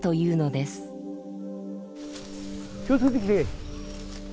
気をつけてくれ。